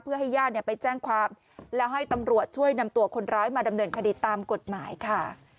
เพื่อให้ญาติไปแจ้งความแล้วให้ตำรวจช่วยนำตัวคนร้ายมาดำเนินคดีตามกฎหมายค่ะ